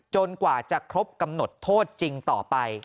กว่าจะครบกำหนดโทษจริงต่อไป